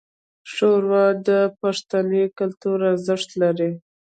ښوروا د پښتني کلتور ارزښت لري.